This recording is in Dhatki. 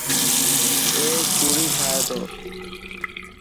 اي چوڙي ٺاهي تو.